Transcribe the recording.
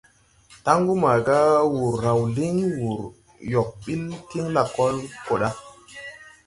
Taŋgu maaga wùr raw líŋ, wùr yɔg ɓil tiŋ lakɔl gɔ ɗa.